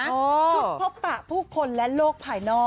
จุดพบปะผู้คนและโลกภายนอก